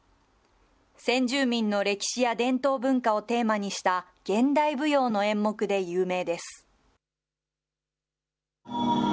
先住民の歴史や伝統文化をテーマにした現代舞踊の演目で有名です。